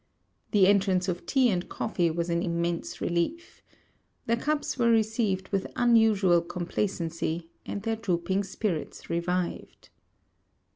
The entrance of tea and coffee was an immense relief. Their cups were received with unusual complacency, and their drooping spirits revived.